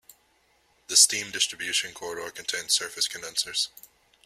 The steam distribution corridor contains surface condensers.